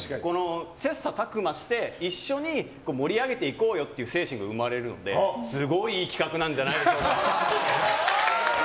切磋琢磨して一緒に盛り上げていこうよという精神が生まれるのですごいいい企画なんじゃないでしょうか。